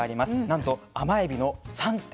なんと甘エビの３．５倍。